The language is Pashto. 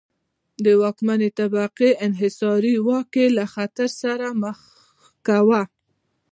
د واکمنې طبقې انحصاري واک یې له خطر سره مخ کاوه.